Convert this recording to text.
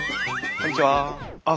こんにちは。